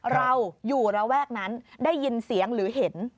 เราอยู่ระแวกนั้นได้ยินเสียงหรือเห็น